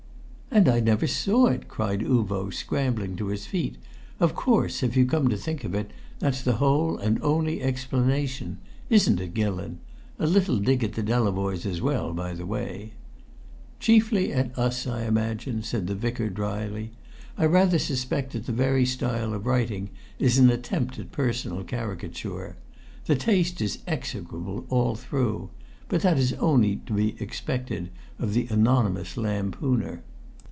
"And I never saw it!" cried Uvo, scrambling to his feet. "Of course, if you come to think of it, that's the whole and only explanation isn't it, Gillon? A little dig at the Delavoyes as well, by the way!" "Chiefly at us, I imagine," said the Vicar dryly. "I rather suspect that the very style of writing is an attempt at personal caricature. The taste is execrable all through. But that is only to be expected of the anonymous lampooner."